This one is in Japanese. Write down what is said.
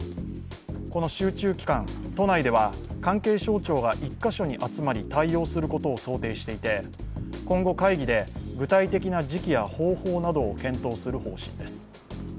この集中期間、都内では関係省庁が１カ所に集まり対応することを想定していて、今後会議で具体的な時期や方法などを検討する方針です。